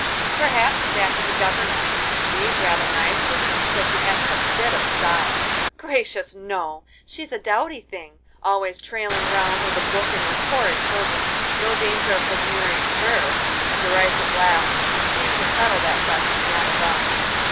"Perhaps he's after the governess; she's rather nice looking, though she hasn't a bit of style." "Gracious, no! she's a dowdy thing, always trailing round with a book and those horrid children. No danger of his marrying her." And a derisive laugh seemed to settle that question beyond a doubt.